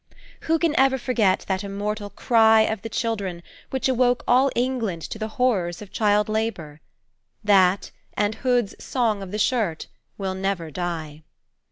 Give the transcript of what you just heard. Who can ever forget that immortal Cry of the Children, which awoke all England to the horrors of child labor? That, and Hood's Song of the Shirt, will never die.